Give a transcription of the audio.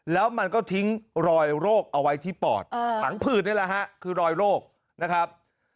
แล้วมันก็ทิ้งรอยโรคเอาไว้ที่ปอดถังผืดนี่แหละฮะคือรอยโรคนะครับ